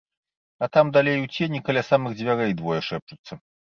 А там далей у цені каля самых дзвярэй двое шэпчуцца.